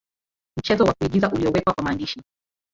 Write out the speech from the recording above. Mchezo wa kuigiza uliowekwa kwa maandishi.